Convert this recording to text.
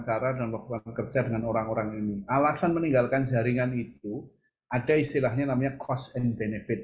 alasan meninggalkan jaringan itu ada istilahnya namanya cost and benefit